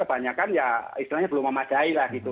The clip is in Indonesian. banyak kan ya istilahnya belum memadai lah gitu